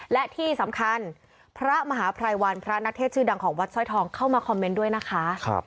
และที่สำคัญพระมหาภัยวันพระนักเทศชื่อดังของวัดสร้อยทองเข้ามาคอมเมนต์ด้วยนะคะ